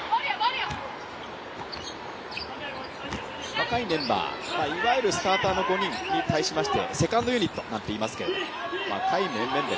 若いメンバー、いわゆるスターターに対しましてセカンドユニットなんていいますけど、若い面々で